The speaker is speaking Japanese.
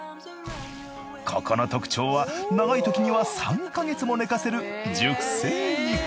ここの特徴は長いときには３か月も寝かせる熟成肉。